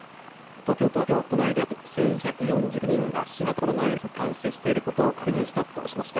東京都はきょう、都内で新たに１１４９人が新型コロナウイルスに感染していることを確認したと発表しました。